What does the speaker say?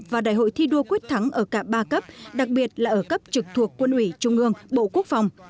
và đại hội thi đua quyết thắng ở cả ba cấp đặc biệt là ở cấp trực thuộc quân ủy trung ương bộ quốc phòng